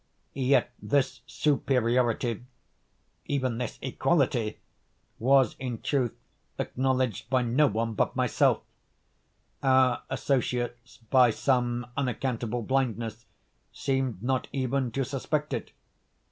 Yet this superiority—even this equality—was in truth acknowledged by no one but myself; our associates, by some unaccountable blindness, seemed not even to suspect it.